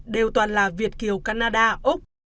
đều toàn là việt kiều canada úc